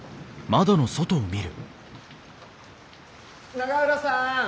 ・永浦さん！